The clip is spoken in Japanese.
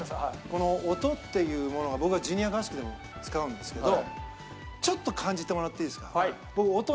この音っていうものを僕はジュニア合宿でも使うんですけどちょっと感じてもらっていいですか？